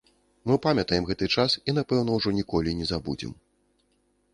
Мы памятаем гэты час і, напэўна, ужо ніколі не забудзем.